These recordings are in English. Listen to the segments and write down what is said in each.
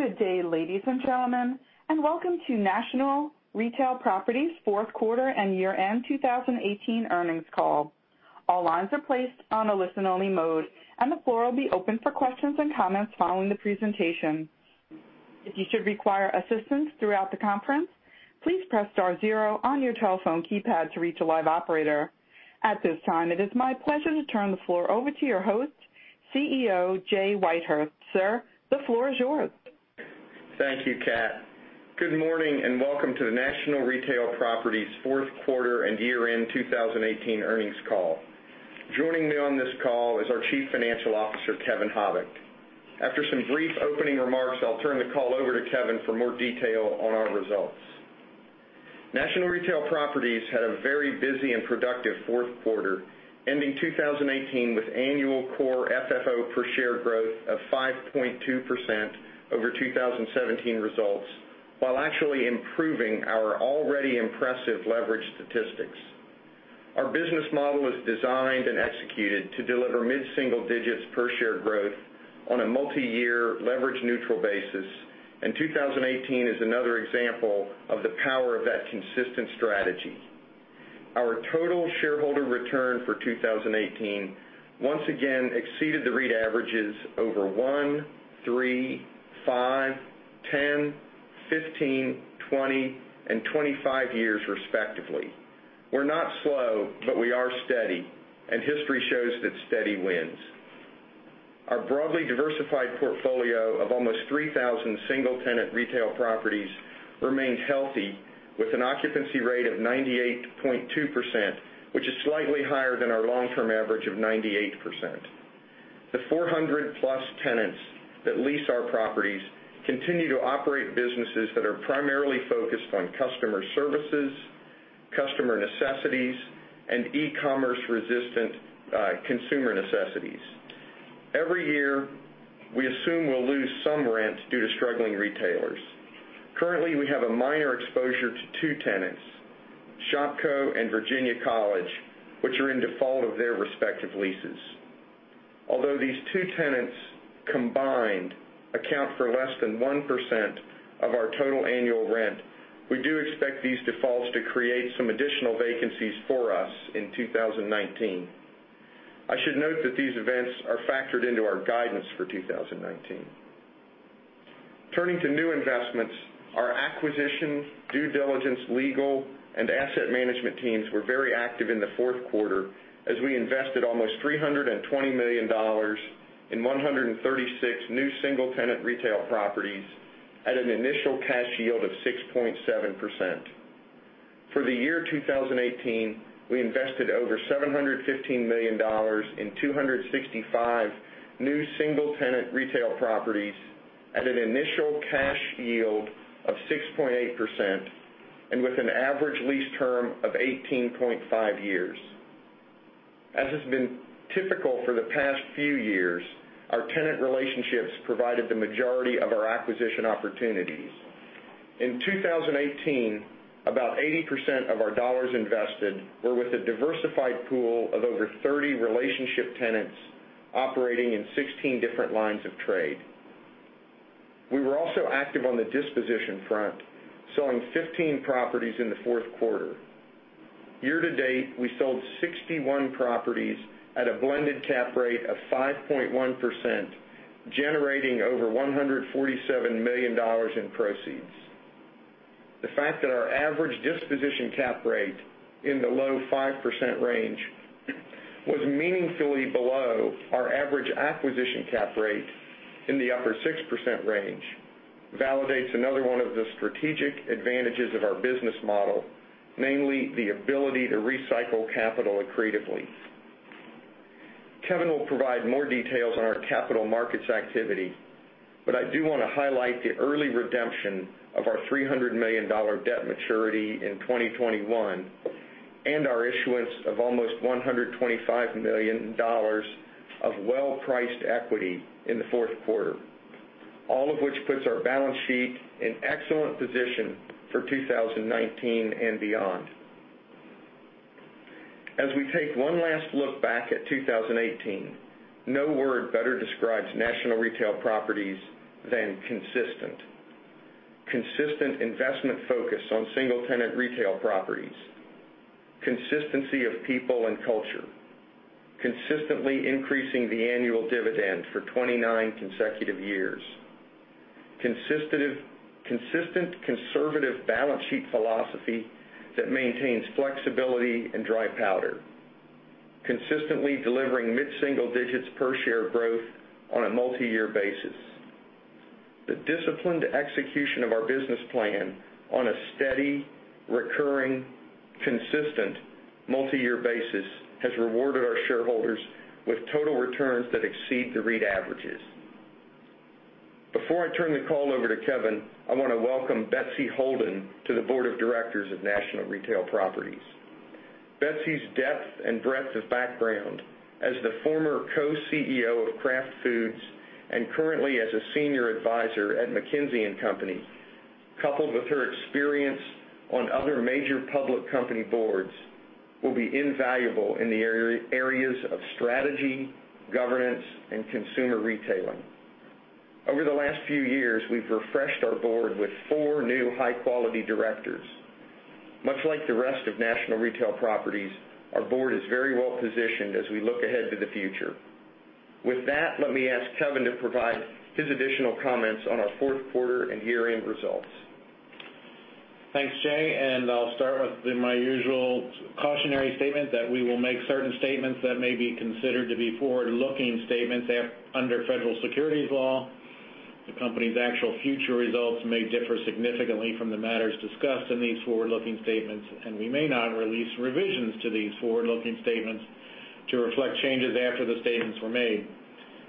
Good day, ladies and gentlemen, and welcome to National Retail Properties' fourth quarter and year-end 2018 earnings call. All lines are placed on a listen-only mode, and the floor will be open for questions and comments following the presentation. If you should require assistance throughout the conference, please press star zero on your telephone keypad to reach a live operator. At this time, it is my pleasure to turn the floor over to your host, CEO Jay Whitehurst. Sir, the floor is yours. Thank you, Kat. Good morning and welcome to the National Retail Properties fourth quarter and year-end 2018 earnings call. Joining me on this call is our Chief Financial Officer, Kevin Habicht. After some brief opening remarks, I'll turn the call over to Kevin for more detail on our results. National Retail Properties had a very busy and productive fourth quarter, ending 2018 with annual Core FFO per share growth of 5.2% over 2017 results, while actually improving our already impressive leverage statistics. Our business model is designed and executed to deliver mid-single-digit per-share growth on a multi-year, leverage-neutral basis, and 2018 is another example of the power of that consistent strategy. Our total shareholder return for 2018 once again exceeded the REIT averages over one, three, five, 10, 15, 20, and 25 years, respectively. We're not slow, but we are steady, and history shows that steady wins. Our broadly diversified portfolio of almost 3,000 single-tenant retail properties remains healthy, with an occupancy rate of 98.2%, which is slightly higher than our long-term average of 98%. The 400-plus tenants that lease our properties continue to operate businesses that are primarily focused on customer services, customer necessities, and e-commerce-resistant consumer necessities. Every year, we assume we'll lose some rents due to struggling retailers. Currently, we have a minor exposure to two tenants, Shopko and Virginia College, which are in default of their respective leases. Although these two tenants combined account for less than 1% of our total annual rent, we do expect these defaults to create some additional vacancies for us in 2019. I should note that these events are factored into our guidance for 2019. Turning to new investments, our acquisitions, due diligence, legal, and asset management teams were very active in the fourth quarter as we invested almost $320 million in 136 new single-tenant retail properties at an initial cash yield of 6.7%. For the year 2018, we invested over $715 million in 265 new single-tenant retail properties at an initial cash yield of 6.8% and with an average lease term of 18.5 years. As has been typical for the past few years, our tenant relationships provided the majority of our acquisition opportunities. In 2018, about 80% of our dollars invested were with a diversified pool of over 30 relationship tenants operating in 16 different lines of trade. We were also active on the disposition front, selling 15 properties in the fourth quarter. Year-to-date, we sold 61 properties at a blended cap rate of 5.1%, generating over $147 million in proceeds. The fact that our average disposition cap rate in the low 5% range was meaningfully below our average acquisition cap rate in the upper 6% range validates another one of the strategic advantages of our business model, namely the ability to recycle capital creatively. Kevin will provide more details on our capital markets activity, but I do want to highlight the early redemption of our $300 million debt maturity in 2021 and our issuance of almost $125 million of well-priced equity in the fourth quarter. All of which puts our balance sheet in excellent position for 2019 and beyond. As we take one last look back at 2018, no word better describes National Retail Properties than consistent. Consistent investment focus on single-tenant retail properties, consistency of people and culture, consistently increasing the annual dividend for 29 consecutive years, consistent conservative balance sheet philosophy that maintains flexibility and dry powder, consistently delivering mid-single-digit per share growth on a multi-year basis. The disciplined execution of our business plan on a steady, recurring, consistent, multi-year basis has rewarded our shareholders with total returns that exceed the REIT averages. Before I turn the call over to Kevin, I want to welcome Betsy Holden to the Board of Directors of National Retail Properties. Betsy's depth and breadth of background as the former co-CEO of Kraft Foods and currently as a Senior Advisor at McKinsey & Company, coupled with her experience on other major public company boards, will be invaluable in the areas of strategy, governance, and consumer retailing. Over the last few years, we've refreshed our board with four new high-quality directors. Much like the rest of National Retail Properties, our board is very well-positioned as we look ahead to the future. With that, let me ask Kevin to provide his additional comments on our fourth quarter and year-end results. Thanks, Jay. I'll start with my usual cautionary statement that we will make certain statements that may be considered to be forward-looking statements under federal securities law. The company's actual future results may differ significantly from the matters discussed in these forward-looking statements, and we may not release revisions to these forward-looking statements to reflect changes after the statements were made.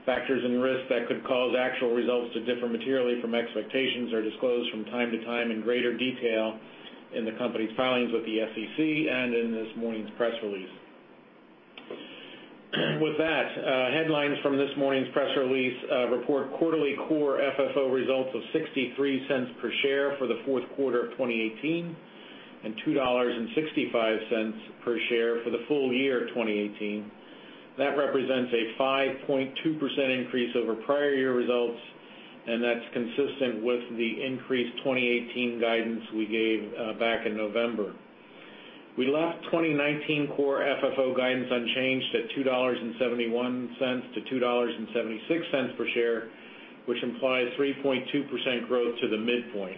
Factors and risks that could cause actual results to differ materially from expectations are disclosed from time to time in greater detail in the company's filings with the SEC and in this morning's press release. With that, headlines from this morning's press release report quarterly Core FFO results of $0.63 per share for the fourth quarter of 2018, and $2.65 per share for the full year of 2018. That represents a 5.2% increase over prior year results. That's consistent with the increased 2018 guidance we gave back in November. We left 2019 Core FFO guidance unchanged at $2.71-$2.76 per share, which implies 3.2% growth to the midpoint.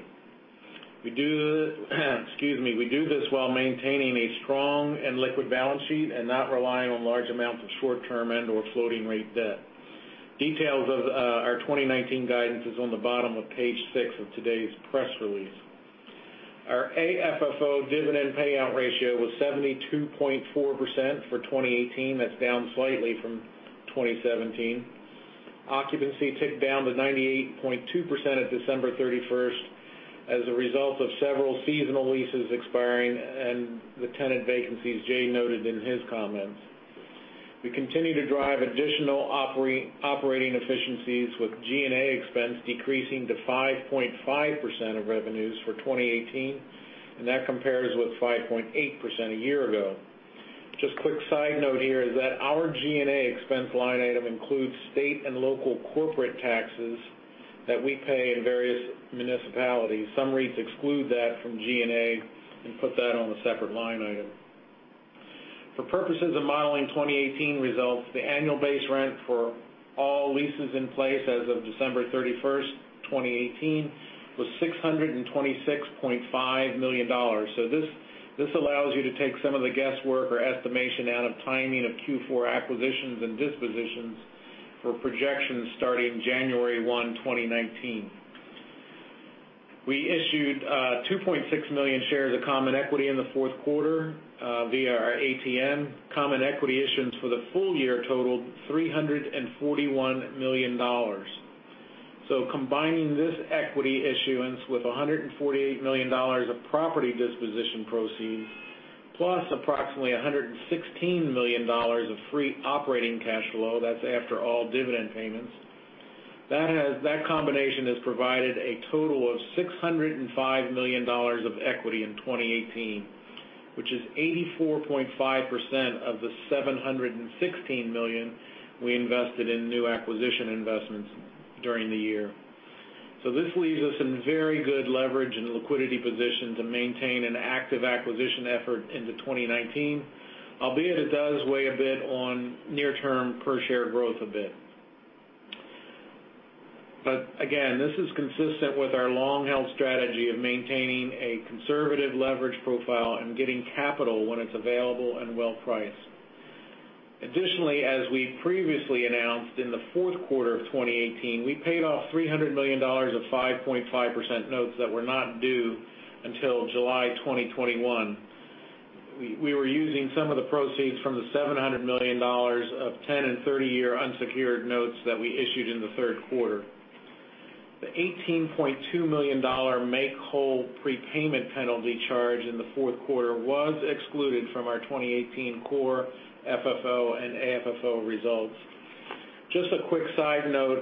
We do this while maintaining a strong and liquid balance sheet and not relying on large amounts of short-term and/or floating-rate debt. Details of our 2019 guidance are on the bottom of page six of today's press release. Our AFFO dividend payout ratio was 72.4% for 2018. That's down slightly from 2017. Occupancy ticked down to 98.2% at December 31st as a result of several seasonal leases expiring and the tenant vacancies Jay noted in his comments. We continue to drive additional operating efficiencies with G&A expense decreasing to 5.5% of revenues for 2018, and that compares with 5.8% a year ago. Just quick side note here is that our G&A expense line item includes state and local corporate taxes that we pay in various municipalities. Some REITs exclude that from G&A and put that on a separate line item. For purposes of modeling 2018 results, the annual base rent for all leases in place as of December 31st, 2018 was $626.5 million. This allows you to take some of the guesswork or estimation out of timing of Q4 acquisitions and dispositions for projections starting January 1, 2019. We issued 2.6 million shares of common equity in the fourth quarter via our ATM. Common equity issuance for the full year totaled $341 million. Combining this equity issuance with $148 million of property disposition proceeds, plus approximately $116 million of free operating cash flow, that's after all dividend payments, that combination has provided a total of $605 million of equity in 2018, which is 84.5% of the $716 million we invested in new acquisition investments during the year. This leaves us in very good leverage and liquidity position to maintain an active acquisition effort into 2019, albeit it does weigh a bit on near-term per-share growth a bit. Again, this is consistent with our long-held strategy of maintaining a conservative leverage profile and getting capital when it's available and well-priced. Additionally, as we previously announced, in the fourth quarter of 2018, we paid off $300 million of 5.5% notes that were not due until July 2021. We were using some of the proceeds from the $700 million of 10- and 30-year unsecured notes that we issued in the third quarter. The $18.2 million make-whole prepayment penalty charge in the fourth quarter was excluded from our 2018 Core FFO and AFFO results. Just a quick side note,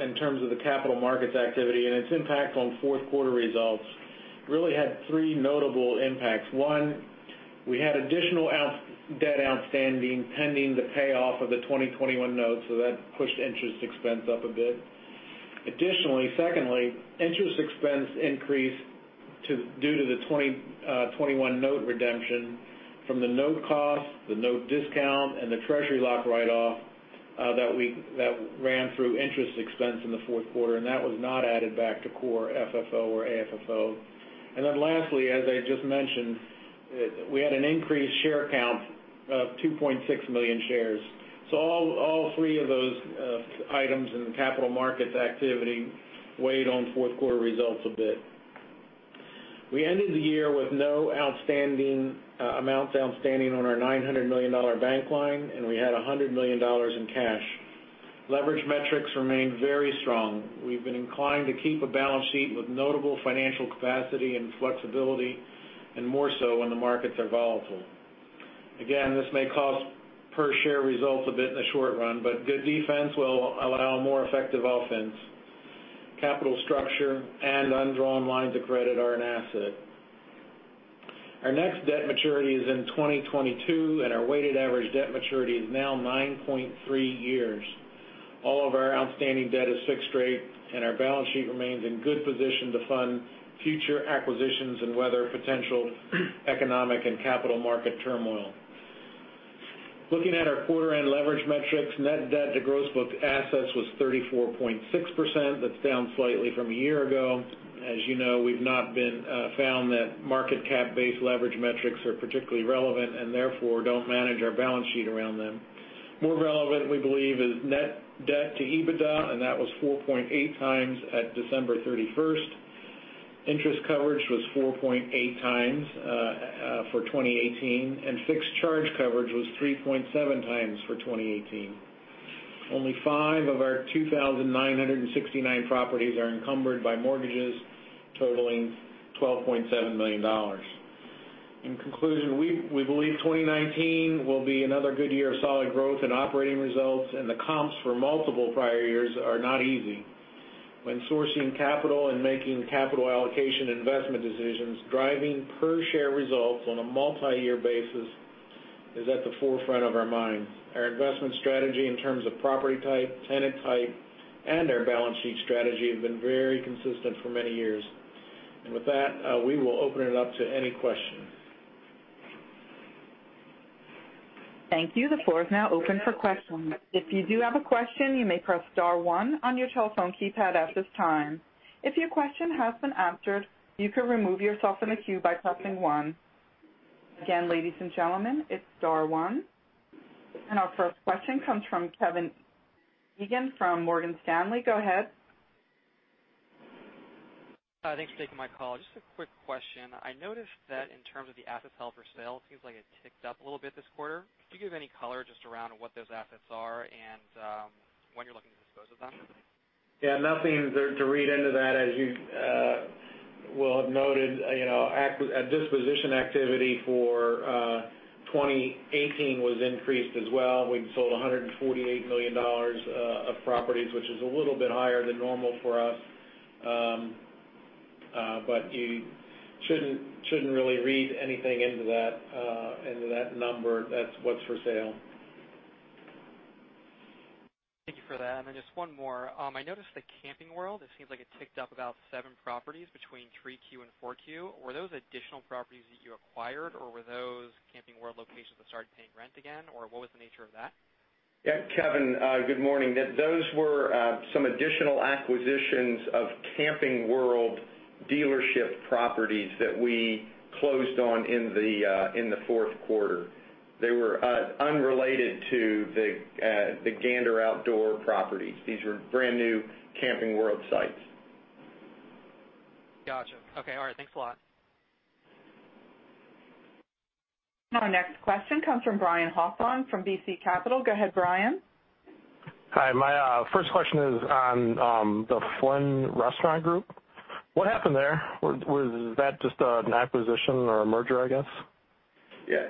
in terms of the capital markets activity and its impact on fourth quarter results. It really had three notable impacts. One, we had additional debt outstanding pending the payoff of the 2021 notes, that pushed interest expense up a bit. Additionally, secondly, interest expense increased due to the 2021 note redemption from the note cost, the note discount, and the treasury lock write-off that ran through interest expense in the fourth quarter, and that was not added back to Core FFO or AFFO. Lastly, as I just mentioned, we had an increased share count of 2.6 million shares. All three of those items and capital markets activity weighed on fourth-quarter results a bit. We ended the year with no amounts outstanding on our $900 million bank line, and we had $100 million in cash. Leverage metrics remained very strong. We've been inclined to keep a balance sheet with notable financial capacity and flexibility, and more so when the markets are volatile. Again, this may cause per-share results a bit in the short run, but good defense will allow a more effective offense. Capital structure and undrawn lines of credit are an asset. Our next debt maturity is in 2022, and our weighted average debt maturity is now 9.3 years. All of our outstanding debt is fixed-rate, and our balance sheet remains in a good position to fund future acquisitions and weather potential economic and capital market turmoil. Looking at our quarter-end leverage metrics, net debt to gross book assets was 34.6%. That's down slightly from a year ago. As you know, we've not found that market cap-based leverage metrics are particularly relevant, and therefore, don't manage our balance sheet around them. More relevant, we believe, is net debt to EBITDA, and that was 4.8 times at December 31st. Interest coverage was 4.8 times for 2018, and fixed charge coverage was 3.7 times for 2018. Only five of our 2,969 properties are encumbered by mortgages, totaling $12.7 million. In conclusion, we believe 2019 will be another good year of solid growth in operating results, and the comps for multiple prior years are not easy. When sourcing capital and making capital allocation investment decisions, driving per-share results on a multi-year basis is at the forefront of our minds. Our investment strategy in terms of property type, tenant type, and our balance sheet strategy have been very consistent for many years. With that, we will open it up to any questions. Thank you. The floor is now open for questions. If you do have a question, you may press star one on your telephone keypad at this time. If your question has been answered, you can remove yourself from the queue by pressing one. Again, ladies and gentlemen, it's star one. Our first question comes from Kevin Egan from Morgan Stanley. Go ahead. Thanks for taking my call. Just a quick question. I noticed that in terms of the assets held for sale, it seems like it ticked up a little bit this quarter. Could you give any color just around what those assets are and when you're looking to dispose of them? Yeah, nothing to read into that. As you will have noted, disposition activity for 2018 was increased as well. We sold $148 million of properties, which is a little bit higher than normal for us. You shouldn't really read anything into that number. That's what's for sale. Thank you for that. Just one more. I noticed that Camping World, it seems like it ticked up about seven properties between 3Q and 4Q. Were those additional properties that you acquired, or were those Camping World locations that started paying rent again? What was the nature of that? Yeah, Kevin, good morning. Those were some additional acquisitions of Camping World dealership properties that we closed on in the fourth quarter. They were unrelated to the Gander Outdoors properties. These were brand-new Camping World sites. Got you. Okay. All right. Thanks a lot. Our next question comes from Brian Hawthorne from RBC Capital. Go ahead, Brian. Hi. My first question is on the Flynn Restaurant Group. What happened there? Was that just an acquisition or a merger, I guess? Yeah.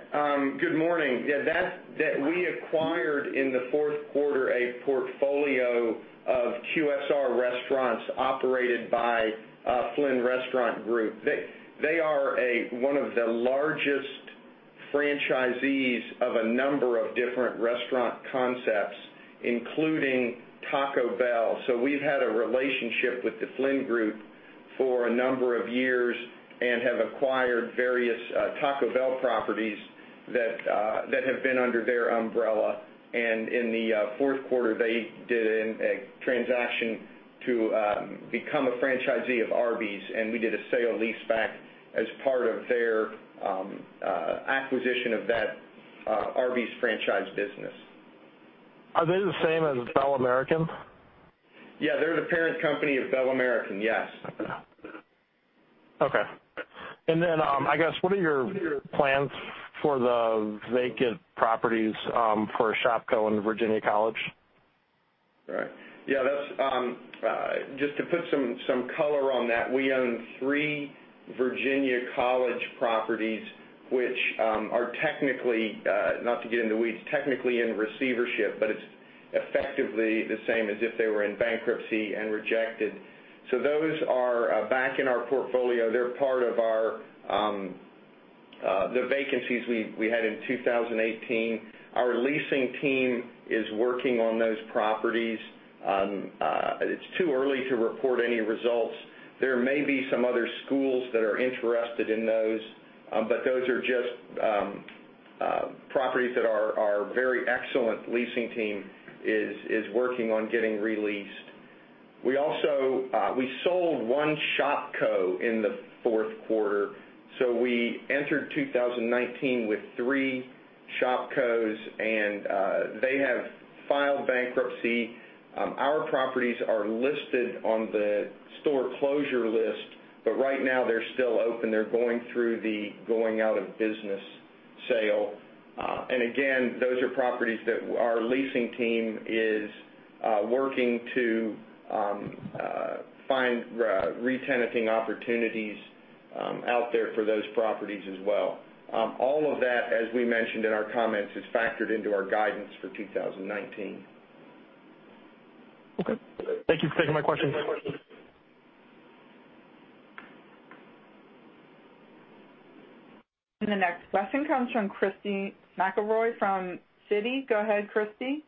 Good morning. Yeah, we acquired, in the fourth quarter, a portfolio of QSR restaurants operated by Flynn Restaurant Group. They are one of the largest franchisees of a number of different restaurant concepts, including Taco Bell. We've had a relationship with the Flynn group for a number of years and have acquired various Taco Bell properties that have been under their umbrella. In the fourth quarter, they did a transaction to become a franchisee of Arby's, and we did a sale-leaseback as part of their acquisition of that Arby's franchise business. Are they the same as Bell American? Yeah. They're the parent company of Bell American, yes. Okay. What are your plans for the vacant properties for Shopko and Virginia College? Right. Just to put some color on that, we own three Virginia College properties, which are technically, not to get into weeds, technically in receivership, but it's effectively the same as if they were in bankruptcy and rejected. Those are back in our portfolio. They're part of the vacancies we had in 2018. Our leasing team is working on those properties. It's too early to report any results. There may be some other schools that are interested in those. But those are just properties that our very excellent leasing team is working on getting re-leased. We sold one Shopko in the fourth quarter. We entered 2019 with three Shopkos, and they have filed bankruptcy. Our properties are listed on the store closure list, but right now, they're still open. They're going through the going-out-of-business sale. Those are properties that our leasing team is working to find re-tenanting opportunities out there for those properties as well. All of that, as we mentioned in our comments, is factored into our guidance for 2019. Okay. Thank you for taking my questions. The next question comes from Christy McElroy from Citi. Go ahead, Christy.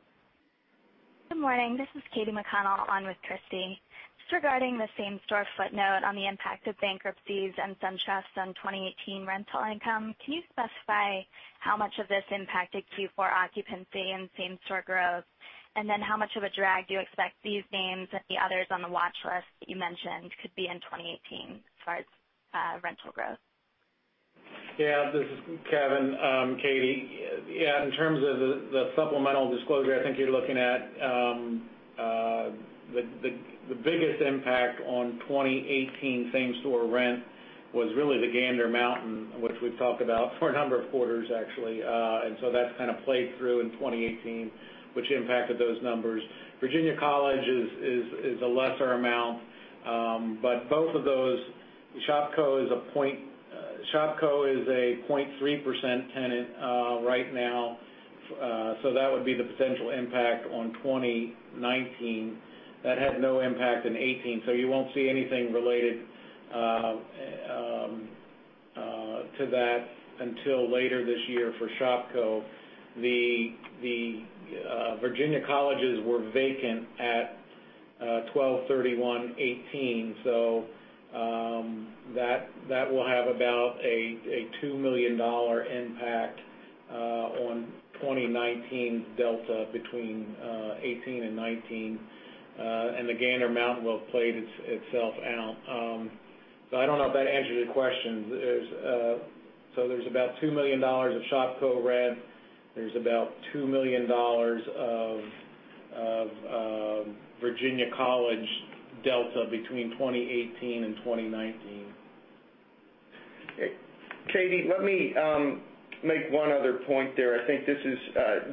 Good morning. This is Katie McConnell on with Christy. Just regarding the same-store footnote on the impact of bankruptcies and SunTrust on 2018 rental income, can you specify how much of this impacted Q4 occupancy and same-store growth? Then how much of a drag do you expect these names and the others on the watch list that you mentioned could be in 2018 as far as rental growth? This is Kevin. Katie, in terms of the supplemental disclosure, I think you're looking at the biggest impact on 2018 same-store rent was really the Gander Mountain, which we've talked about for a number of quarters, actually. That's kind of played through in 2018, which impacted those numbers. Virginia College is a lesser amount, but both of those, Shopko is a 0.3% tenant right now. That would be the potential impact on 2019. That had no impact in 2018, so you won't see anything related to that until later this year for Shopko. The Virginia Colleges were vacant at 12/31/2018, so that will have about a $2 million impact on 2019 delta between 2018 and 2019. The Gander Mountain will have played itself out. I don't know if that answered your question. There's about $2 million of Shopko rent. There's about $2 million of Virginia College delta between 2018 and 2019. Katie, let me make one other point there. I think this is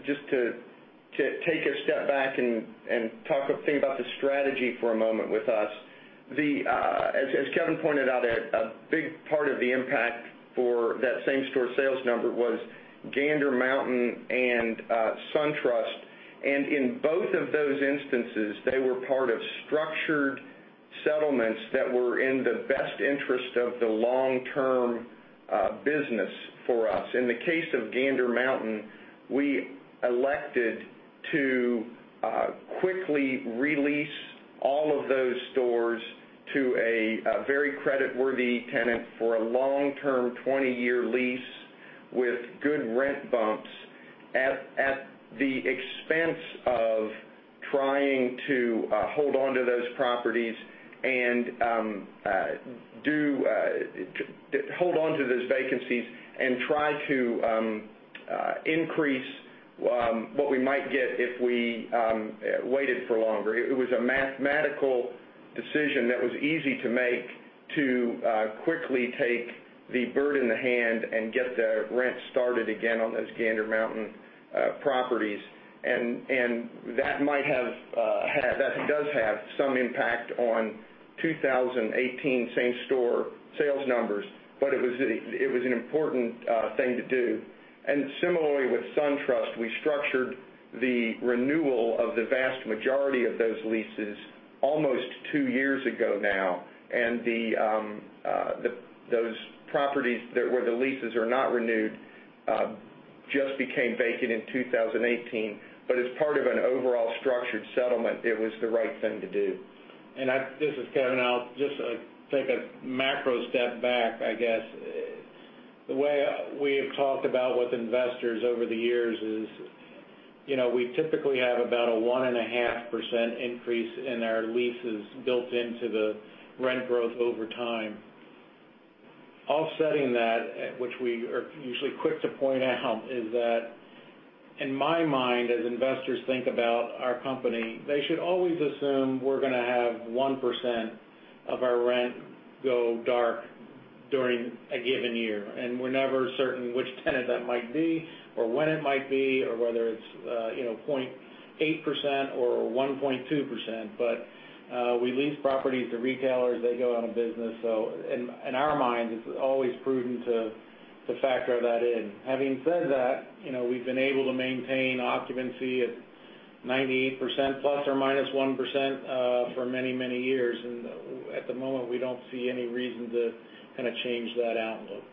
just to take a step back and think about the strategy for a moment with us. As Kevin pointed out, a big part of the impact for that same-store sales number was Gander Mountain and SunTrust. In both of those instances, they were part of structured settlements that were in the best interest of the long-term business for us. In the case of Gander Mountain, we elected to quickly re-lease all of those stores to a very creditworthy tenant for a long-term, 20-year lease with good rent bumps at the expense of trying to hold onto those vacancies and try to increase what we might get if we waited for longer. It was a mathematical decision that was easy to make to quickly take the bird in the hand and get the rent started again on those Gander Mountain properties. That does have some impact on 2018 same-store sales numbers, but it was an important thing to do. Similarly, with SunTrust, we structured the renewal of the vast majority of those leases almost two years ago now. Those properties where the leases are not renewed just became vacant in 2018. As part of an overall structured settlement, it was the right thing to do. This is Kevin. I'll just take a macro step back, I guess. The way we have talked about with investors over the years is we typically have about a 1.5% increase in our leases built into the rent growth over time. Offsetting that, which we are usually quick to point out, is that in my mind, as investors think about our company, they should always assume we're going to have 1% of our rent go dark during a given year, and we're never certain which tenant that might be or when it might be or whether it's 0.8% or 1.2%. We lease properties to retailers; they go out of business. In our minds, it's always prudent to factor that in. Having said that, we've been able to maintain occupancy at 98% plus or minus 1% for many, many years, and at the moment, we don't see any reason to kind of change that outlook.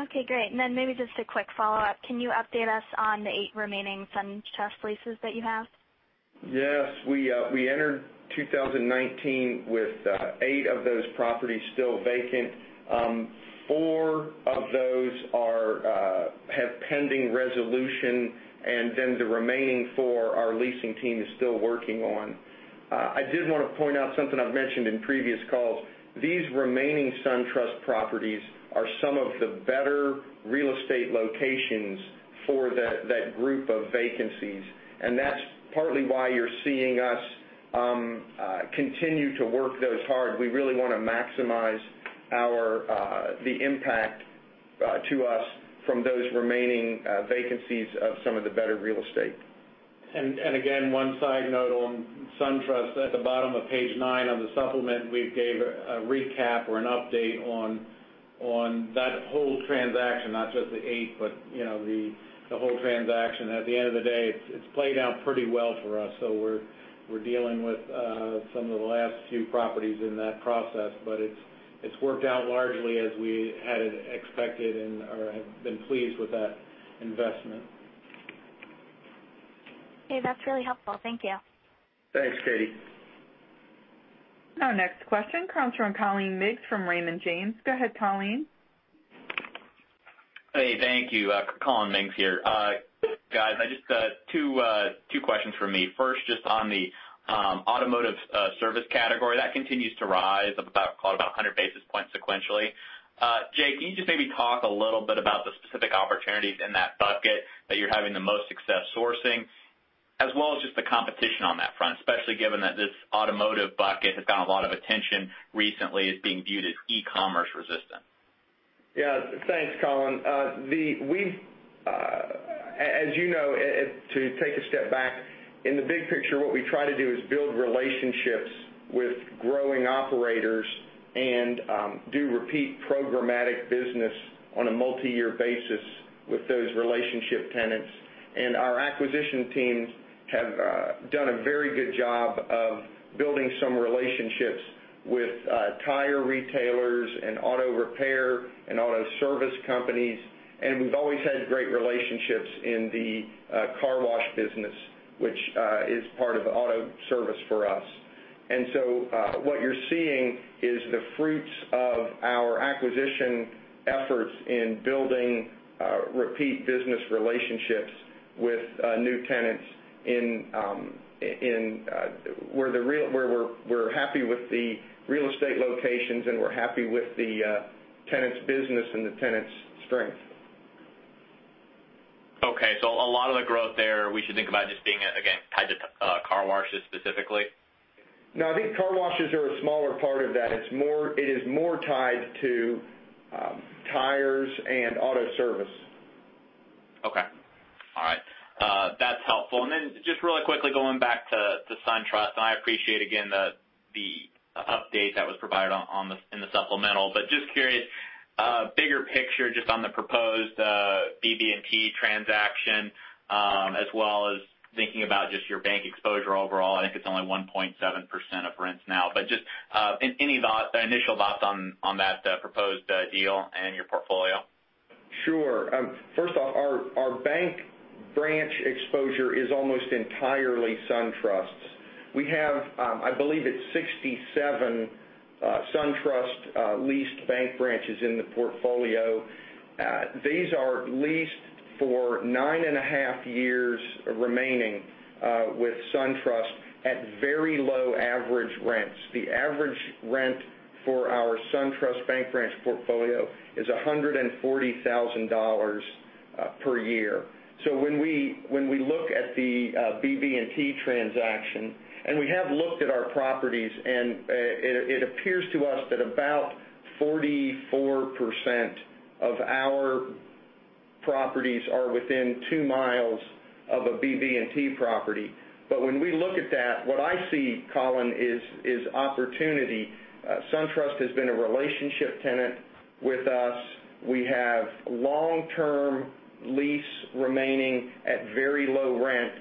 Okay, great. Maybe just a quick follow-up. Can you update us on the eight remaining SunTrust leases that you have? Yes. We entered 2019 with eight of those properties still vacant. Four of those have pending resolution; the remaining four, our leasing team is still working on. I did want to point out something I've mentioned in previous calls. These remaining SunTrust properties are some of the better real estate locations for that group of vacancies; that's partly why you're seeing us continue to work those hard. We really want to maximize the impact to us from those remaining vacancies of some of the better real estate. Again, one side note. SunTrust at the bottom of page nine of the supplement, we gave a recap or an update on that whole transaction, not just the eight, but the whole transaction. At the end of the day, it's played out pretty well for us. We're dealing with some of the last few properties in that process, but it's worked out largely as we had expected and have been pleased with that investment. Okay. That's really helpful. Thank you. Thanks, Katie. Our next question comes from Collin Mings from Raymond James. Go ahead, Collin. Hey, thank you. Collin Mings here. Guys, just two questions from me. First, just on the automotive service category, that continues to rise about 100 basis points sequentially. Jay, can you just maybe talk a little bit about the specific opportunities in that bucket that you're having the most success sourcing, as well as just the competition on that front, especially given that this automotive bucket has gotten a lot of attention recently as being viewed as e-commerce resistant. Yeah. Thanks, Collin. As you know, to take a step back, in the big picture, what we try to do is build relationships with growing operators and do repeat programmatic business on a multi-year basis with those relationship tenants. Our acquisition teams have done a very good job of building some relationships with tire retailers and auto repair and auto service companies. We've always had great relationships in the car wash business, which is part of auto service for us. So what you're seeing is the fruits of our acquisition efforts in building repeat business relationships with new tenants where we're happy with the real estate locations and we're happy with the tenant's business and the tenant's strength. Okay, a lot of the growth there, we should think about just being, again, tied to car washes specifically? No, I think car washes are a smaller part of that. It is more tied to tires and auto service. Okay. All right. That's helpful. Just really quickly going back to SunTrust, I appreciate again the update that was provided in the supplemental, just curious, bigger picture, just on the proposed BB&T transaction, as well as thinking about just your bank exposure overall. I think it's only 1.7% of rents now, just any initial thoughts on that proposed deal and your portfolio? Sure. First off, our bank branch exposure is almost entirely SunTrust's. We have, I believe it's 67 SunTrust leased bank branches in the portfolio. These are leased for nine and a half years remaining, with SunTrust at very low average rents. The average rent for our SunTrust bank branch portfolio is $140,000 per year. When we look at the BB&T transaction, we have looked at our properties, and it appears to us that about 44% of our properties are within 2 miles of a BB&T property. When we look at that, what I see, Collin, is opportunity. SunTrust has been a relationship tenant with us. We have long-term lease remaining at very low rent,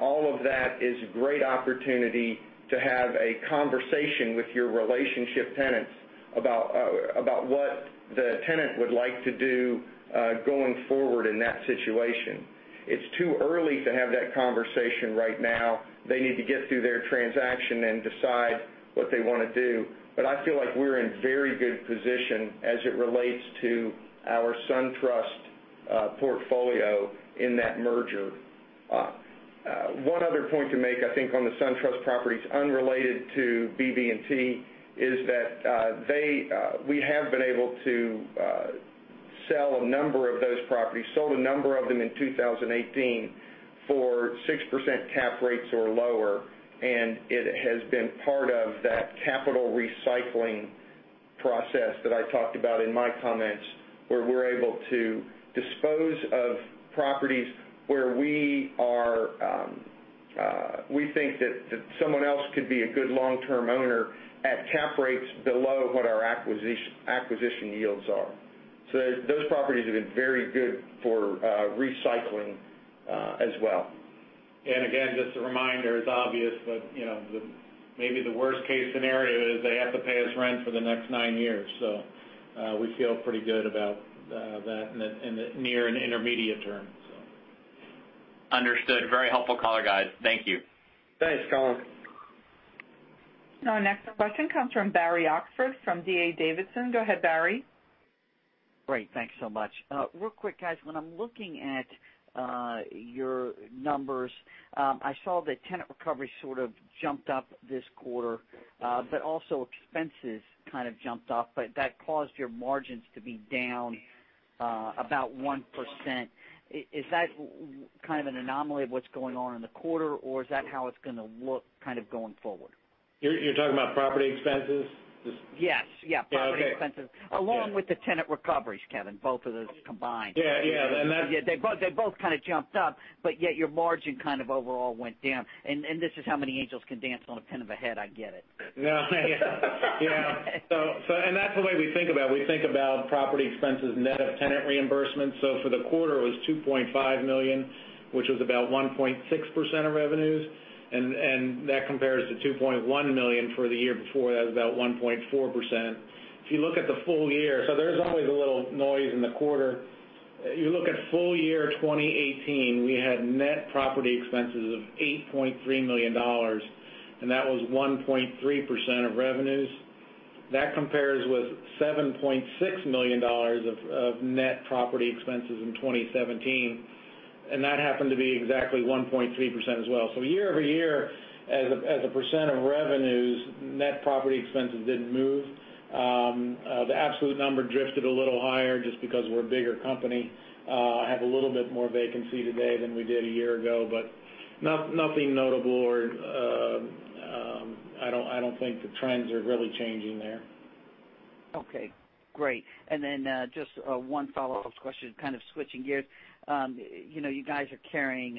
all of that is great opportunity to have a conversation with your relationship tenants about what the tenant would like to do, going forward in that situation. It's too early to have that conversation right now. They need to get through their transaction and decide what they want to do. I feel like we're in very good position as it relates to our SunTrust portfolio in that merger. One other point to make, I think, on the SunTrust properties unrelated to BB&T is that we have been able to sell a number of those properties, sold a number of them in 2018 for 6% cap rates or lower, it has been part of that capital recycling process that I talked about in my comments, where we're able to dispose of properties where we think that someone else could be a good long-term owner at cap rates below what our acquisition yields are. Those properties have been very good for recycling as well. Again, just a reminder, it's obvious, but maybe the worst-case scenario is they have to pay us rent for the next nine years. We feel pretty good about that in the near and intermediate terms. Understood. Very helpful color, guys. Thank you. Thanks, Collin. Our next question comes from Barry Oxford from D.A. Davidson. Go ahead, Barry. Great. Thanks so much. Real quick, guys, when I'm looking at your numbers, I saw that tenant recovery sort of jumped up this quarter, but also expenses kind of jumped up, but that caused your margins to be down about 1%. Is that kind of an anomaly of what's going on in the quarter, or is that how it's going to look kind of going forward? You're talking about property expenses? Yes. Property expenses. Okay. Along with the tenant recoveries, Kevin, both of those combined. Yeah. They both kind of jumped up, yet your margin kind of overall went down. This is how many angels can dance on the head of a pin; I get it. Yeah. That's the way we think about it. We think about property expenses net of tenant reimbursements. For the quarter it was $2.5 million, which was about 1.6% of revenues; that compares to $2.1 million for the year before, that was about 1.4%. If you look at the full year, there's always a little noise in the quarter. You look at full year 2018, we had net property expenses of $8.3 million, that was 1.3% of revenues. That compares with $7.6 million of net property expenses in 2017, that happened to be exactly 1.3% as well. Year-over-year, as a percent of revenues, net property expenses didn't move. The absolute number drifted a little higher just because we're a bigger company, have a little bit more vacancy today than we did a year ago, nothing notable or I don't think the trends are really changing there. Okay. Great. Just one follow-up question, kind of switching gears. You guys are carrying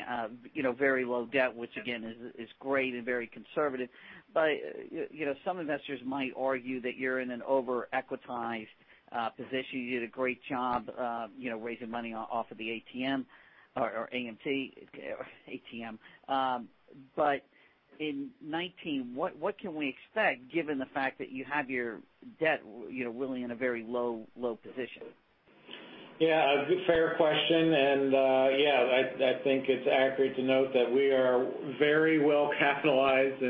very low debt, which again is great and very conservative. Some investors might argue that you're in an over-equitized position. You did a great job raising money off of the ATM. In 2019, what can we expect given the fact that you have your debt really in a very low position? Yeah. A fair question. Yeah, I think it's accurate to note that we are very well capitalized.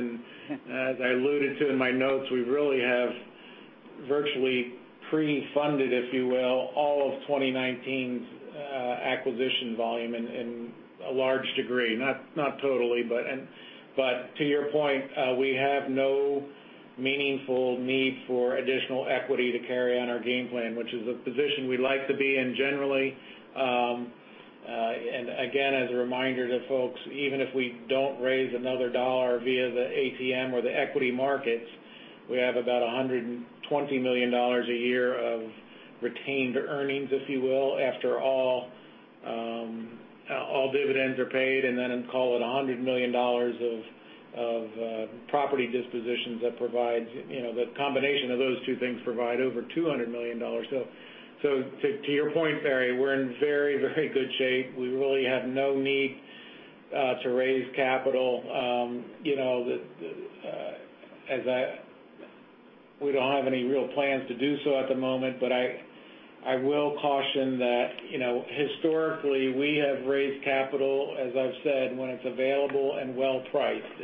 As I alluded to in my notes, we really have virtually pre-funded, if you will, all of 2019's acquisition volume in a large degree, not totally. To your point, we have no meaningful need for additional equity to carry on our game plan, which is a position we like to be in generally. Again, as a reminder to folks, even if we don't raise another dollar via the ATM or the equity markets, we have about $120 million a year of retained earnings, if you will, after all dividends are paid, then call it $100 million of property dispositions that the combination of those two things provide over $200 million. To your point, Barry, we're in very, very good shape. We really have no need to raise capital. We don't have any real plans to do so at the moment. I will caution that historically, we have raised capital, as I've said, when it's available and well-priced.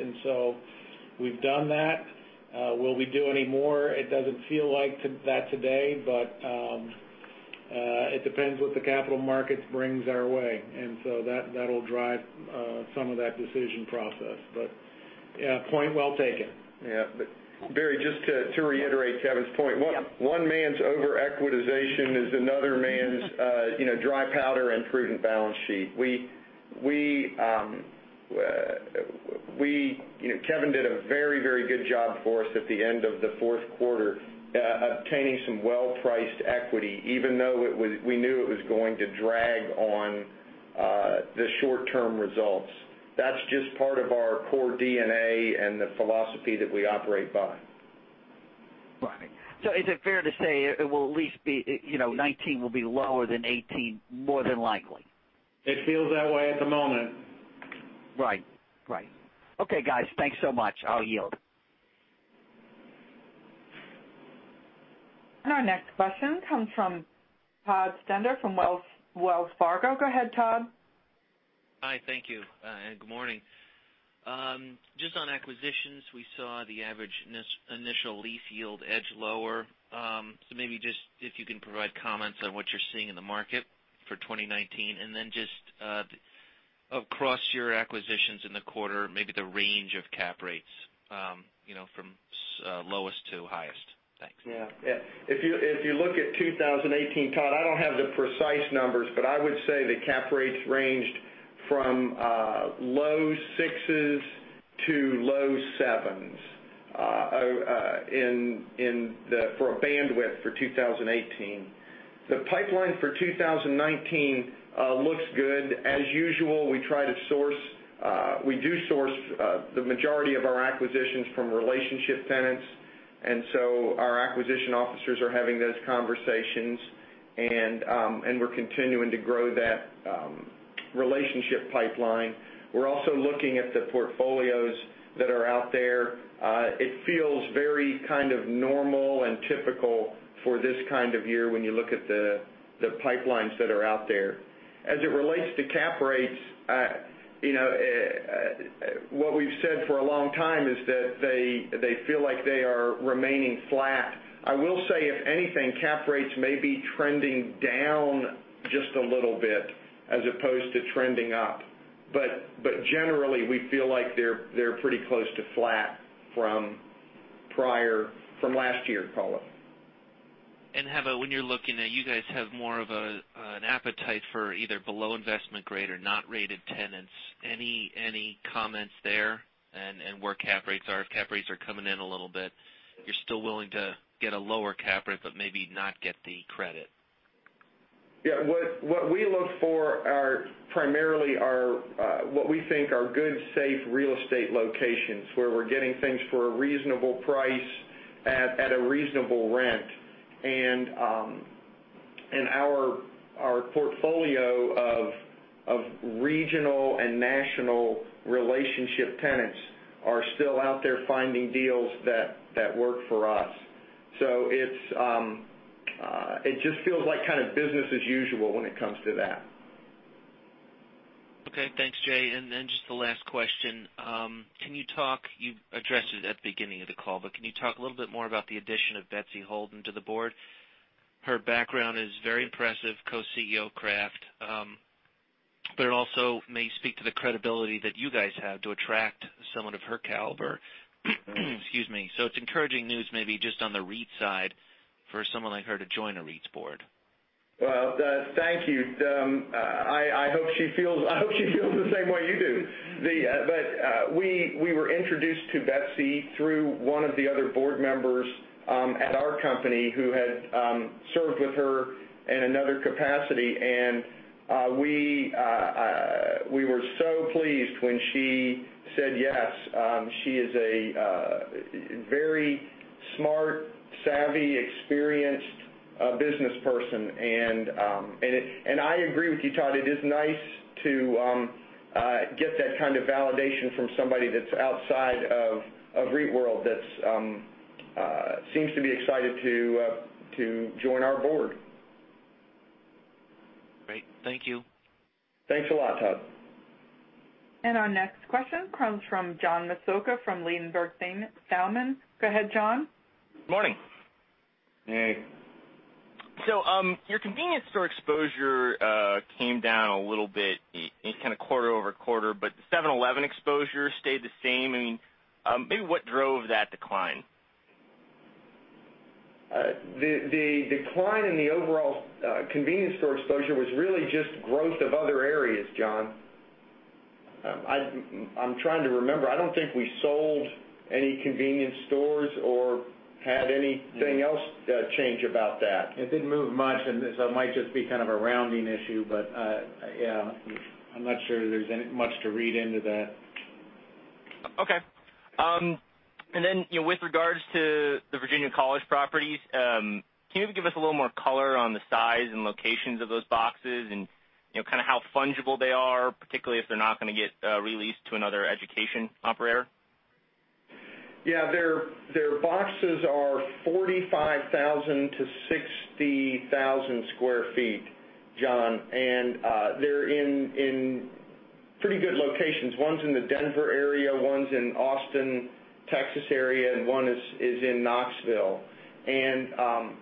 We've done that. Will we do any more? It doesn't feel like that today; it depends on what the capital market brings our way. That'll drive some of that decision process. Yeah, point well taken. Yeah. Barry, just to reiterate Kevin's point. Yeah one man's over-equitization is another man's dry powder and prudent balance sheet. Kevin did a very, very good job for us at the end of the fourth quarter obtaining some well-priced equity, even though we knew it was going to drag on the short-term results. That's just part of our core DNA and the philosophy that we operate by. Right. Is it fair to say it will at least be, 2019 will be lower than 2018, more than likely? It feels that way at the moment. Right. Okay, guys, thanks so much. I'll yield. Our next question comes from Todd Stender from Wells Fargo. Go ahead, Todd. Hi, thank you. Good morning. Just on acquisitions, we saw the average initial lease yield edge lower. Maybe just if you can provide comments on what you're seeing in the market for 2019, just across your acquisitions in the quarter, maybe the range of cap rates from lowest to highest. Thanks. If you look at 2018, Todd, I don't have the precise numbers, but I would say the cap rates ranged from low sixes to low sevens for a bandwidth for 2018. The pipeline for 2019 looks good. As usual, we do source the majority of our acquisitions from relationship tenants, Our acquisition officers are having those conversations, We're continuing to grow that relationship pipeline. We're also looking at the portfolios that are out there. It feels very kind of normal and typical for this kind of year when you look at the pipelines that are out there. As it relates to cap rates, what we've said for a long time is that they feel like they are remaining flat. I will say, if anything, cap rates may be trending down just a little bit as opposed to trending up. Generally, we feel like they're pretty close to flat from last year, call it. How about when you're looking at it, you guys have more of an appetite for either below-investment-grade or not-rated tenants? Any comments there? Where cap rates are. If cap rates are coming in a little bit, you're still willing to get a lower cap rate but maybe not get the credit. Yeah. What we look for are primarily what we think are good, safe real estate locations, where we're getting things for a reasonable price at a reasonable rent. Our portfolio of regional and national relationship tenants are still out there finding deals that work for us. It just feels like business as usual when it comes to that. Okay. Thanks, Jay. Just the last question. You addressed it at the beginning of the call, but can you talk a little bit more about the addition of Betsy Holden to the board? Her background is very impressive, co-CEO Kraft. It also may speak to the credibility that you guys have to attract someone of her caliber. Excuse me. It's encouraging news, maybe just on the REIT side, for someone like her to join a REIT's board. Well, thank you. I hope she feels the same way you do. We were introduced to Betsy through one of the other board members at our company who had served with her in another capacity. We were so pleased when she said yes. She is a very smart, savvy, experienced businessperson. I agree with you, Todd. It is nice to get that kind of validation from somebody that's outside of REIT world that seems to be excited to join our board. Great. Thank you. Thanks a lot, Todd. Our next question comes from John Massocca from Ladenburg Thalmann. Go ahead, John. Morning. Hey. Your convenience store exposure came down a little bit each kind of quarter-over-quarter, but 7-Eleven exposure stayed the same. Maybe what drove that decline? The decline in the overall convenience store exposure was really just growth of other areas, John. I'm trying to remember. I don't think we sold any convenience stores or had anything else change about that. It didn't move much; it might just be kind of a rounding issue. Yeah, I'm not sure there's much to read into that. Okay. With regard to the Virginia College properties, can you maybe give us a little more color on the size and locations of those boxes and kind of how fungible they are, particularly if they're not going to get re-leased to another education operator? Yeah. Their boxes are 45,000 to 60,000 square feet, John, and they're in pretty good locations. One's in the Denver area, one's in Austin, Texas area, and one is in Knoxville. To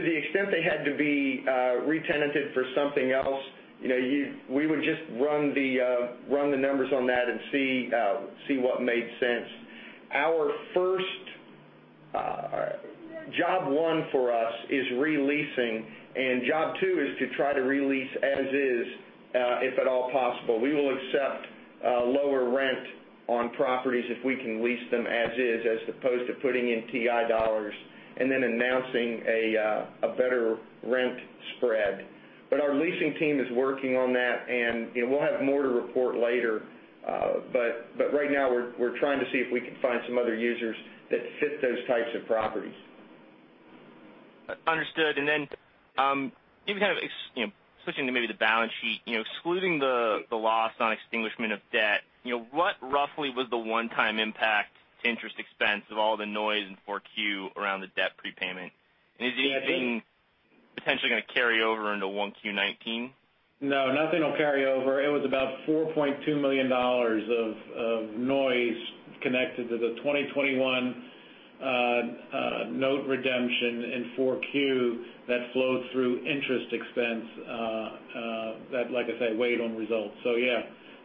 the extent they had to be re-tenanted for something else, we would just run the numbers on that and see what made sense. Job one for us is re-leasing, and job two is to try to re-lease as is, if at all possible. We will accept lower rent on properties if we can lease them as is, as opposed to putting in TI dollars and then announcing a better rent spread. Our leasing team is working on that, and we'll have more to report later. Right now, we're trying to see if we can find some other users that fit those types of properties. Understood. Switching to maybe the balance sheet, excluding the loss on extinguishment of debt, what roughly was the one-time impact to interest expense of all the noise in 4Q around the debt prepayment? Is anything potentially going to carry over into 1Q 2019? No, nothing will carry over. It was about $4.2 million of noise connected to the 2021 note redemption in 4Q that flowed through interest expense, that, like I said, weighed on results. So yeah.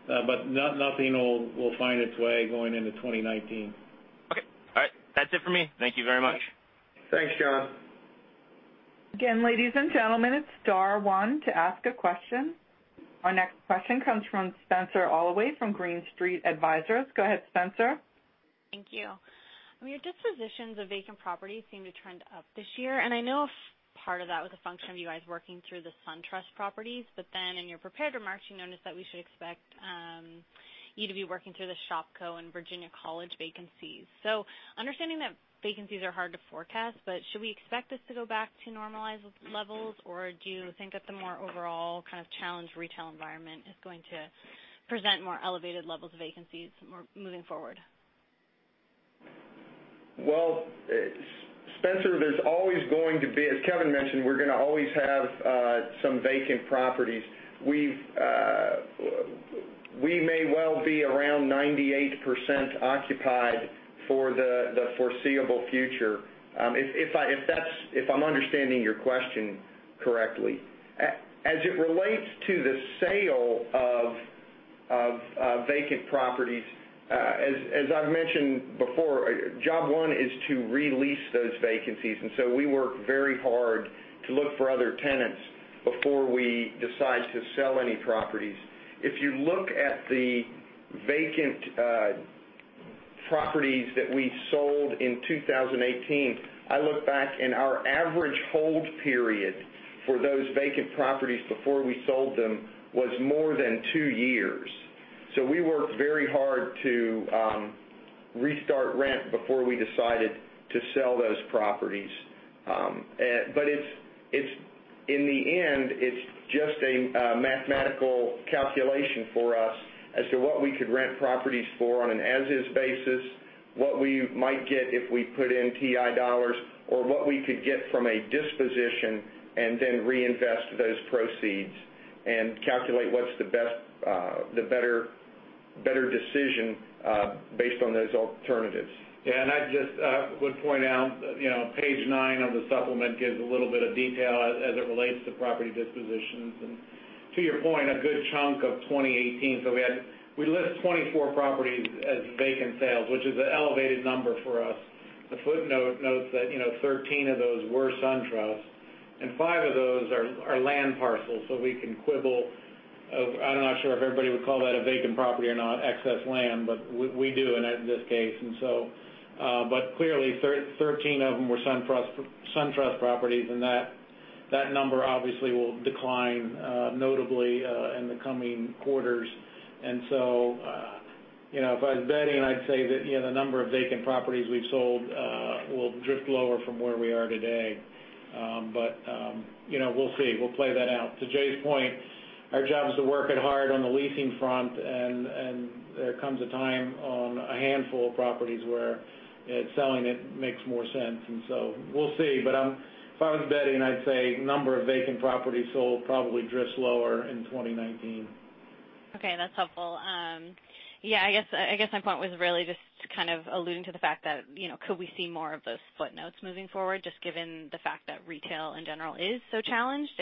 Nothing will find its way going into 2019. Okay. All right. That's it for me. Thank you very much. Thanks, John. Again, ladies and gentlemen, it's star one to ask a question. Our next question comes from Spenser Glimcher from Green Street Advisors. Go ahead, Spenser. Thank you. Your dispositions of vacant properties seem to trend up this year. I know part of that was a function of you guys working through the SunTrust properties. In your prepared remarks, you noted that we should expect you to be working through the Shopko and Virginia College vacancies. Understanding that vacancies are hard to forecast, should we expect this to go back to normalized levels, or do you think that the more overall kind of challenged retail environment is going to present more elevated levels of vacancies moving forward? Well, Spenser, as Kevin mentioned, we're going to always have some vacant properties. We may well be around 98% occupied for the foreseeable future, if I'm understanding your question correctly. As it relates to the sale of vacant properties. As I've mentioned before, job one is to release those vacancies. We work very hard to look for other tenants before we decide to sell any properties. If you look at the vacant properties that we sold in 2018, I look back, and our average hold period for those vacant properties before we sold them was more than two years. We worked very hard to restart rent before we decided to sell those properties. In the end, it's just a mathematical calculation for us as to what we could rent properties for on an as-is basis, what we might get if we put in TI dollars, or what we could get from a disposition, reinvest those proceeds, and calculate what's the better decision is based on those alternatives. Yeah. I just would point out, page nine of the supplement gives a little bit of detail as it relates to property dispositions. To your point, a good chunk of 2018, we listed 24 properties as vacant sales, which is an elevated number for us. The footnote notes that 13 of those were SunTrust, and five of those are land parcels, so we can quibble. I'm not sure if everybody would call that a vacant property or not, excess land, but we do in this case. Clearly, 13 of them were SunTrust properties, and that number obviously will decline notably in the coming quarters. If I was betting, I'd say that the number of vacant properties we've sold will drift lower from where we are today. We'll see. We'll play that out. To Jay's point, our job is to work it hard on the leasing front; there comes a time on a handful of properties where selling it makes more sense. We'll see. If I was betting, I'd say the number of vacant properties sold probably drifts lower in 2019. Okay. That's helpful. I guess my point was really just kind of alluding to the fact that could we see more of those footnotes moving forward, just given the fact that retail in general is so challenged,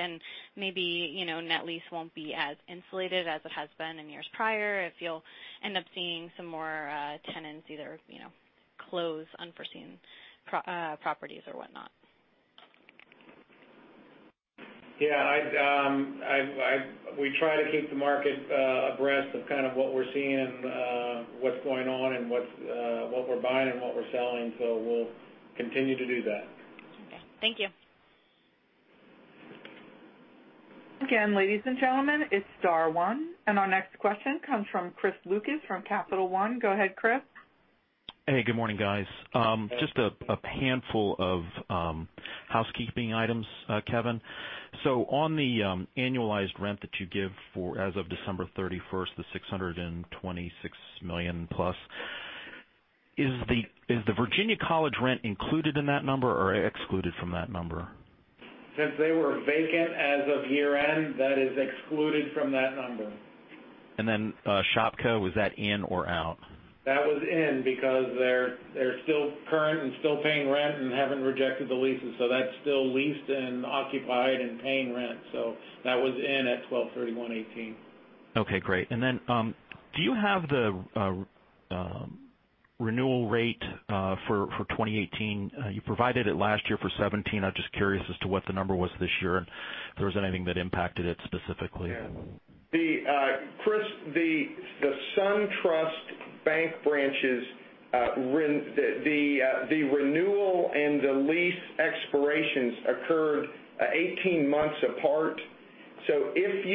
maybe net lease won't be as insulated as it has been in years prior if you'll end up seeing some more tenants either close unforeseen properties or whatnot. Yeah. We try to keep the market abreast of kind of what we're seeing and what's going on and what we're buying and what we're selling. We'll continue to do that. Okay. Thank you. Again, ladies and gentlemen, it's star one, and our next question comes from Chris Lucas from Capital One. Go ahead, Chris. Hey, good morning, guys. Just a handful of housekeeping items, Kevin. On the annualized rent that you give as of December 31st, the $626 million plus, is the Virginia College rent included in that number or excluded from that number? Since they were vacant as of year-end, that is excluded from that number. Shopko, was that in or out? That was in because they're still current and still paying rent and haven't rejected the leases. That's still leased and occupied and paying rent. That was in at 12/31/2018. Okay, great. Do you have the renewal rate for 2018? You provided it last year for 2017. I'm just curious as to what the number was this year and if there was anything that impacted it specifically. Chris, the SunTrust Bank branches, the renewal, and the lease expirations occurred 18 months apart. If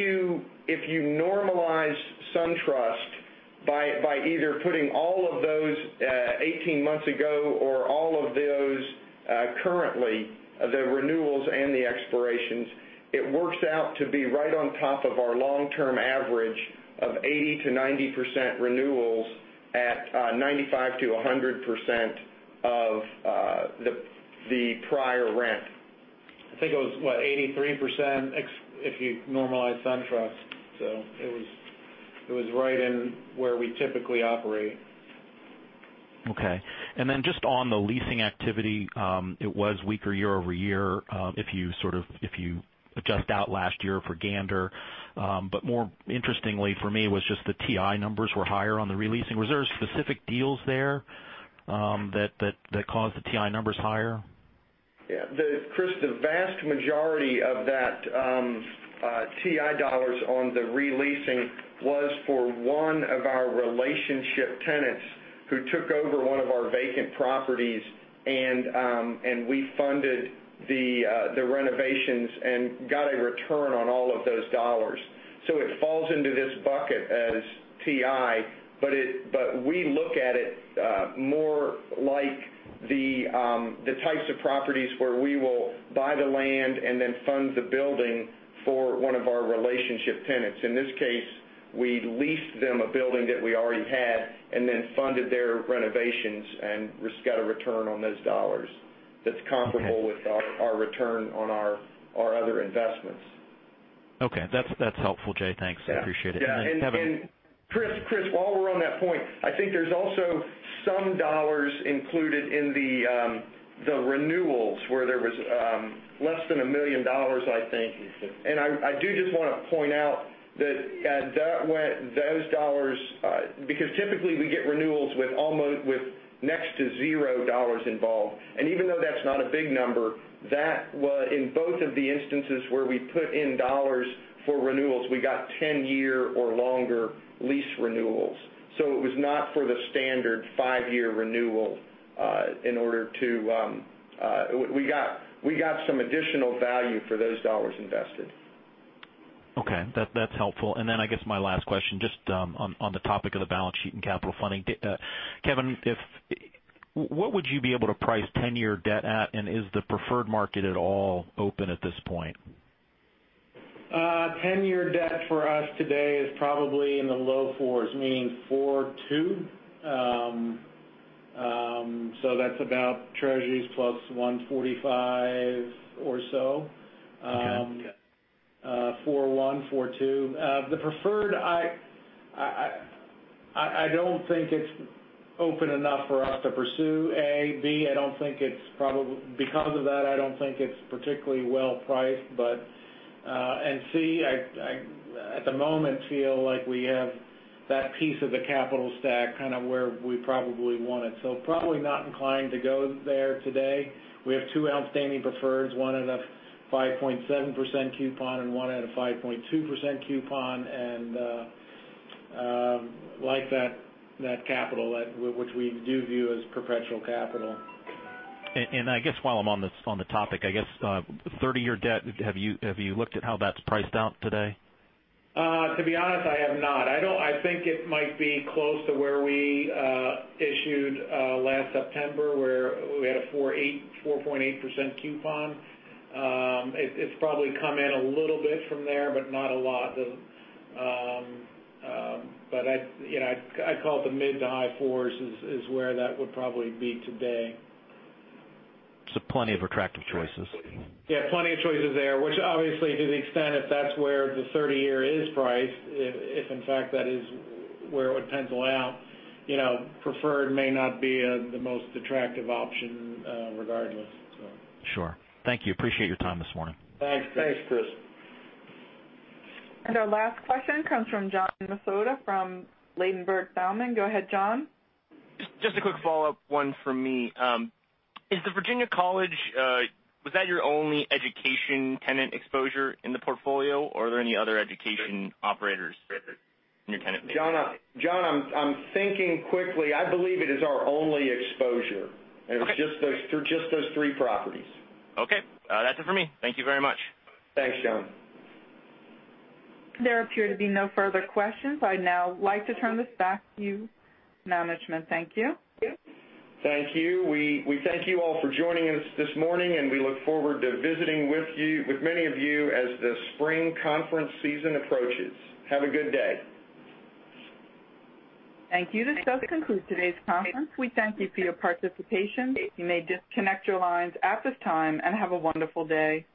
you normalize SunTrust by either putting all of those 18 months ago or all of those currently, the renewals and the expirations, it works out to be right on top of our long-term average of 80%-90% renewals at 95%-100% of the prior rent. I think it was, what, 83% if you normalize SunTrust? It was right in where we typically operate. Okay. Just on the leasing activity, it was weaker year-over-year if you adjust out last year for Gander. More interestingly for me was just the TI numbers were higher on the re-release. Was there specific deals there that caused the TI numbers higher? Yeah. Chris, the vast majority of that TI dollars on the re-leasing was for one of our relationship tenants who took over one of our vacant properties, and we funded the renovations and got a return on all of those dollars. It falls into this bucket as TI, but we look at it more like the types of properties where we will buy the land and then fund the building for one of our relationship tenants. In this case, we leased them a building that we already had and then funded their renovations and got a return on those dollars that's comparable with our return on our other investments. Okay. That's helpful, Jay. Thanks. I appreciate it. Kevin. Chris, while we're on that point, I think there's also some dollars included in the renewals where there was less than $1 million, I think. I do just want to point out that those dollars, because typically we get renewals with next to zero dollars involved. Even though that's not a big number, in both of the instances where we put in dollars for renewals, we got 10-year or longer lease renewals. It was not for the standard five-year renewal. We got some additional value for those dollars invested. Okay. That's helpful. Then I guess my last question, just on the topic of the balance sheet and capital funding. Kevin, what would you be able to price 10-year debt at, and is the preferred market at all open at this point? 10-year debt for us today is probably in the low fours, meaning 4.2. That's about treasuries plus 145 or so. Okay. 41, 42. The preferred, I don't think it's open enough for us to pursue, A. B., because of that, I don't think it's particularly well-priced. C, I, at the moment, feel like we have that piece of the capital stack kind of where we probably want it. Probably not inclined to go there today. We have two outstanding preferreds, one at a 5.7% coupon and one at a 5.2% coupon, and like that capital, which we do view as perpetual capital. I guess while I'm on the topic, I guess 30-year debt, have you looked at how that's priced out today? To be honest, I have not. I think it might be close to where we issued last September, where we had a 4.8% coupon. It's probably come in a little bit from there, but not a lot. I'd call it the mid-to-high fours is where that would probably be today. Plenty of attractive choices. Yeah, plenty of choices there, which obviously to the extent, if that's where the 30 year is priced, if in fact that is where it would pencil out, preferred may not be the most attractive option regardless, so. Sure. Thank you. Appreciate your time this morning. Thanks, Chris. Our last question comes from John Massocca from Ladenburg Thalmann. Go ahead, John. Just a quick follow-up one from me. Is the Virginia College, was that your only education tenant exposure in the portfolio, or are there any other education operators in your tenant mix? John, I'm thinking quickly. I believe it is our only exposure. Okay. It was just those three properties. Okay. That's it for me. Thank you very much. Thanks, John. There appear to be no further questions. I'd now like to turn this back to management. Thank you. Thank you. We thank you all for joining us this morning, and we look forward to visiting with many of you as the spring conference season approaches. Have a good day. Thank you. This does conclude today's conference. We thank you for your participation. You may disconnect your lines at this time and have a wonderful day.